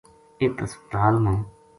اِت ہسپتال ما